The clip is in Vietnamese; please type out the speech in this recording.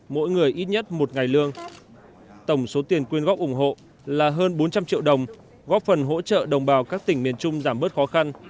mỗi người ít nhất một ngày lương tổng số tiền quyên góp ủng hộ là hơn bốn trăm linh triệu đồng góp phần hỗ trợ đồng bào các tỉnh miền trung giảm bớt khó khăn